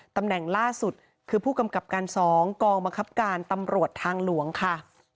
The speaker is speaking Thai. ตำแหน่งล่าสุดคือผู้กำกับการ๒กองบังคับการตำรวจทางหลวงค่ะ